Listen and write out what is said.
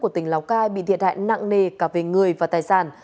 của tỉnh lào cai bị thiệt hại nặng nề cả về người và tài sản